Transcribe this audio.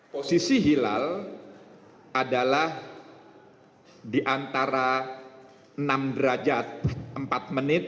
posisi hilal adalah di antara enam derajat empat menit